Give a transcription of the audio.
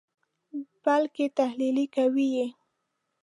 بلکې تحلیل کوئ یې.